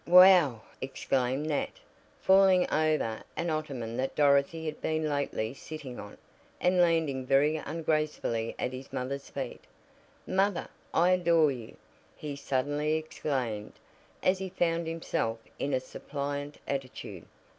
"Whew!" exclaimed Nat, falling over an ottoman that Dorothy had been lately sitting on, and landing very ungracefully at his mother's feet. "Mother, I adore you!" he suddenly exclaimed as he found himself in a suppliant attitude.